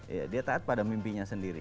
iya dia taat pada mimpinya sendiri